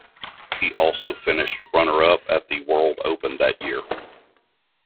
He also finished runner-up at the World Open that year.